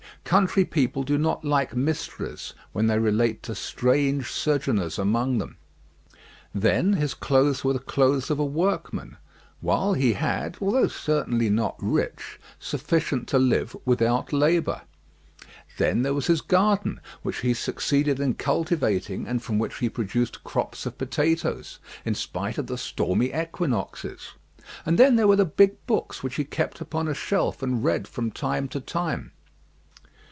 Country people do not like mysteries, when they relate to strange sojourners among them. Then his clothes were the clothes of a workman, while he had, although certainly not rich, sufficient to live without labour. Then there was his garden, which he succeeded in cultivating, and from which he produced crops of potatoes, in spite of the stormy equinoxes; and then there were the big books which he kept upon a shelf, and read from time to time.